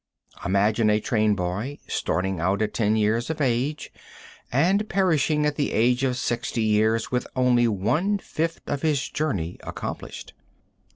Imagine a train boy starting out at ten years of age, and perishing at the age of 60 years with only one fifth of his journey accomplished.